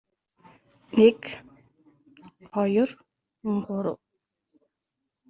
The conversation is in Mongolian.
Хэн хэндээ юу ч хэлсэнгүй, зөвхөн сэрэмжийн хурц нүдээр хавь ойроо нэвчин ажна.